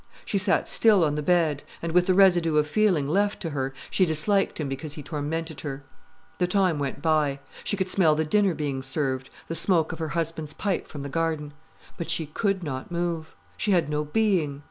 She sat still on the bed, and with the residue of feeling left to her, she disliked him because he tormented her. The time went by. She could smell the dinner being served, the smoke of her husband's pipe from the garden. But she could not move. She had no being.